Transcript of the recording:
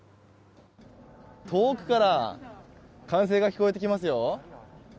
遠くから歓声が聞こえてきますよ。